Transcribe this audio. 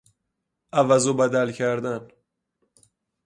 عوض و بدل کردن